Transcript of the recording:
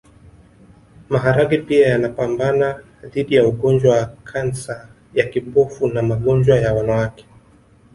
Maharage pia yanapambana dhidi ya ugonjwa wa kansa ya kibofu na magonjwa ya wanawake